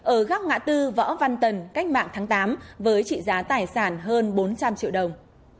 ở góc ngã tư võ văn tần cách mạng tháng tám với trị giá tài sản hơn bốn trăm linh triệu đồng